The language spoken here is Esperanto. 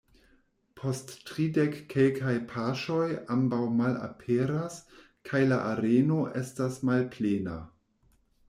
Post tridek-kelkaj paŝoj ambaŭ malaperas kaj la areno estas malplena.